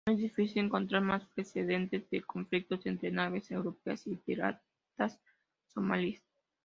No es difícil encontrar más precedentes de conflictos entre naves europeas y piratas somalíes.